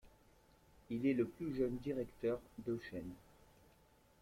Il est le plus jeune directeur de chaîne.